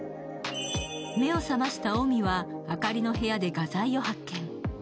目を覚ました臣は明里の部屋で画材を発見。